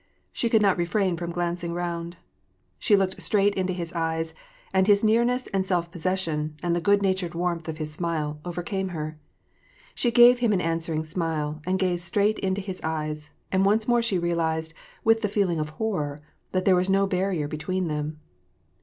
She could not refrain from glancing round. She looked straight into his eyes, and his nearness and self possession, and the good natured warmth of his smile, over came her. She gave him an answering smile, and gazed straight into his eyes, and once more she realized, with the feeling of horror, that there was no barrier between them.